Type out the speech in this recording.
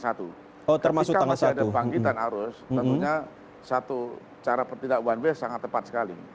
ketika masih ada bangkitan arus tentunya satu cara pertindak one way sangat tepat sekali